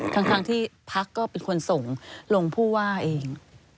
ทั้งที่พักก็เป็นคนส่งลงผู้ว่าเอง